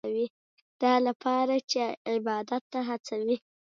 دا لپاره چې عبادت ته هڅوي.